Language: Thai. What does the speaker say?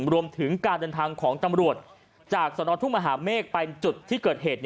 รวมถึงการเดินทางของตำรวจจากสนทุ่งมหาเมฆไปจุดที่เกิดเหตุ